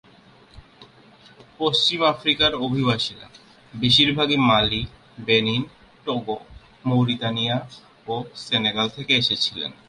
পশ্চিম আফ্রিকার অভিবাসীরা বেশিরভাগই মালি, বেনিন, টোগো, মৌরিতানিয়া এবং সেনেগাল থেকে এসেছিলেন।